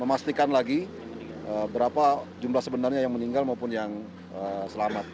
memastikan lagi berapa jumlah sebenarnya yang meninggal maupun yang selamat